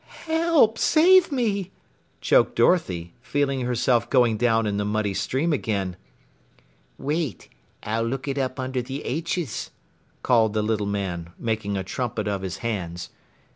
"Help! Save me!" choked Dorothy, feeling herself going down in the muddy stream again. "Wait! I'll look it up under the 'H's," called the little man, making a trumpet of his hands.